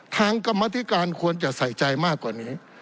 กรรมธิการควรจะใส่ใจมากกว่านี้